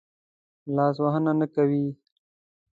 لاس وهنه نه کوي.